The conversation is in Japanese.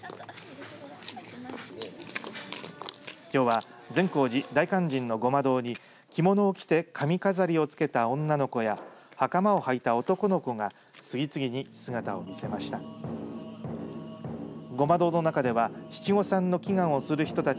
きょうは善光寺大勧進の護摩堂に着物を着て髪飾りをつけた女の子やはかまをはいた男の子が次々に姿を見せました。